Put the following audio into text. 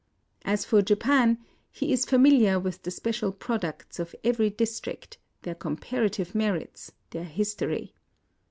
As for Japan, he is familiar with the special products of every district, their comparative merits, their history.